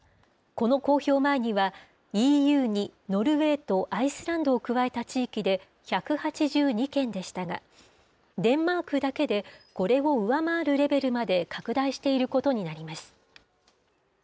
この公表前には、ＥＵにノルウェーとアイスランドを加えた地域で１８２件でしたが、デンマークだけでこれを上回るレベルまで拡大していることになります。